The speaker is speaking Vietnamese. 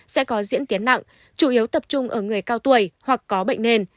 sẽ có diễn tiến nặng chủ yếu tập trung ở người cao tuổi hoặc có bệnh nền